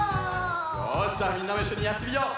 よしじゃみんなもいっしょにやってみよう。